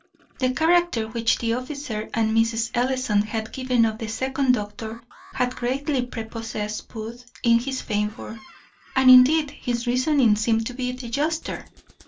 The character which the officer and Mrs. Ellison had given of the second doctor had greatly prepossessed Booth in his favour, and indeed his reasoning seemed to be the juster.